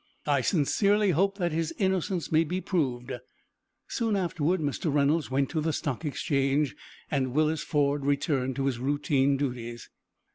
"I sincerely hope that his innocence may be proved." Soon afterward Mr. Reynolds went to the Stock Exchange, and Willis Ford returned to his routine duties.